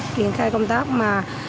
triển khai công tác mà